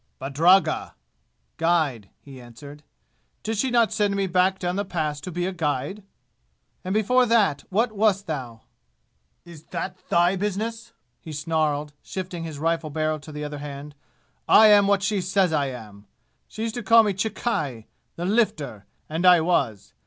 "Badragga" (guide), he answered. "Did she not send me back down the Pass to be a guide?" "And before that what wast thou?" "Is that thy business?" he snarled, shifting his rifle barrel to the other hand. "I am what she says I am! She used to call me 'Chikki' the Lifter! and I was!